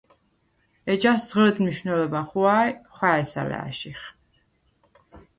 ეჯას ძღჷდ მნიშუ̂ნელობა ხუღუ̂ა ი ხუ̂ა̈ჲს ალა̄̈შიხ.